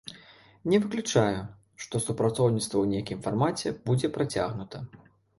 Не выключаю, што супрацоўніцтва ў нейкім фармаце будзе працягнута.